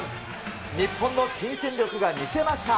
日本の新勢力が見せました。